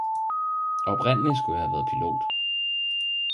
Oprindeligt skulle jeg have været pilot.